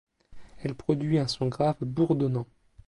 Elle produit un son grave bourdonnant.